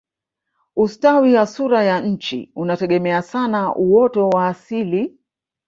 ustawi wa sura ya nchi unategemea sana uoto wa asili